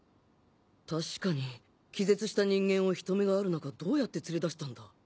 確かに気絶した人間を人目がある中どうやって連れ出したんだ？